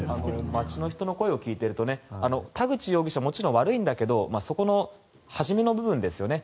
町の人の声を聞いてると田口容疑者、もちろん悪いけどそこの初めの部分ですよね